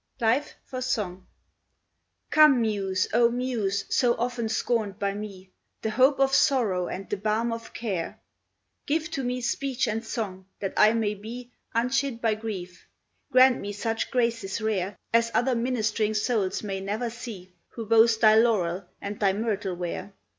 LIFE FOR SONG Come Muse, O Muse, so often scorned by me, The hope of sorrow and the balm of care, Give to me speech and song, that I may be Unchid by grief; grant me such graces rare As other ministering souls may never see Who boast thy laurel, and thy myrtle wear.